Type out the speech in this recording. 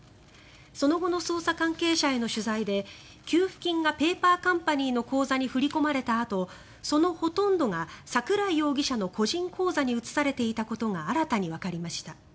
その後の捜査関係者への取材で給付金がペーパーカンパニーの口座に振り込まれたあとそのほとんどが桜井容疑者の個人口座に移されていたことが新たにわかりました。